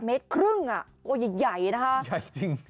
๑๕เมตรอ่ะใหญ่อย่างงี้นะคะ